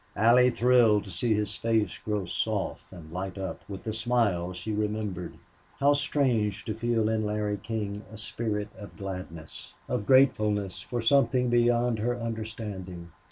Allie thrilled to see his face grow soft and light up with the smile she remembered. How strange to feel in Larry King a spirit of gladness, of gratefulness for something beyond her understanding!